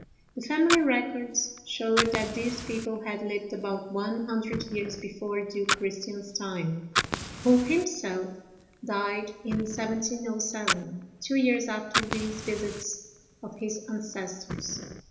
The family records showed that these people had lived about one hundred years before Duke Christian's time, who himself died in 1707, two years after these visits of his ancestors.